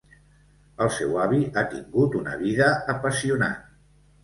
El seu avi ha tingut una vida apassionant.